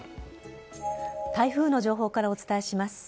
台風の情報からお伝えします。